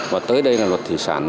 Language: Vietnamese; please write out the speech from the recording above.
và tới đây là luật thỉ sản